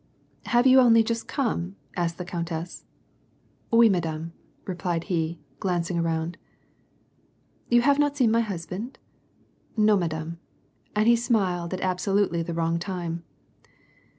" Have you only just come ?" asked the countess. "Owi, madanie" replied he, glancing around. " You have not seen my husband ?"" Nofif madame" And he smiled at absolutely the wrong time.